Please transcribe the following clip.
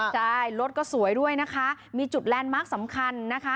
ใช่รถก็สวยด้วยนะคะมีจุดแลนด์มาร์คสำคัญนะคะ